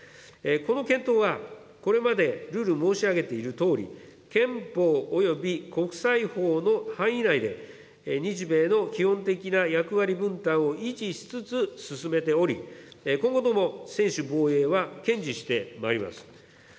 この検討は、これまで縷々申し上げているとおり、憲法および国際法の範囲内で、日米の基本的な役割分担を維持しつつ進めており、今後とも専守防衛は堅持してまいります。